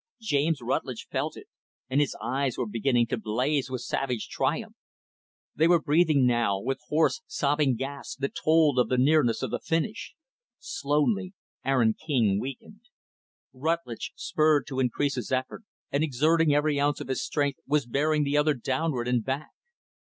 James Rutlidge felt it, and his eyes were beginning to blaze with savage triumph. They were breathing, now, with hoarse, sobbing gasps, that told of the nearness of the finish. Slowly, Aaron King weakened. Rutlidge, spurred to increase his effort, and exerting every ounce of his strength, was bearing the other downward and back.